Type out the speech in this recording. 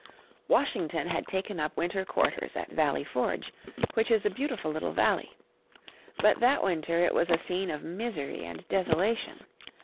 Washington had taken up winter quarters at Valley Forge, which is a beautiful little valley. But that winter it was a scene of misery and desolation.